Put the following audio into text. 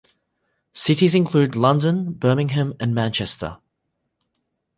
Cities include London, Birmingham, and Manchester.